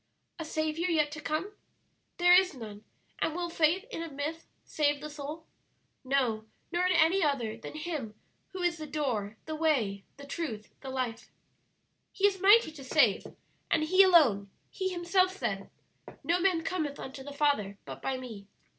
"'A Saviour yet to come?' There is none; and will faith in a myth save the soul? No; nor in any other than Him who is the Door, the Way, the Truth, the Life. "'He is mighty to save,' and He alone; He Himself said, 'No man cometh unto the Father, but by Me.'